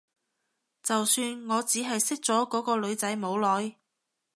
就算我只係識咗嗰個女仔冇耐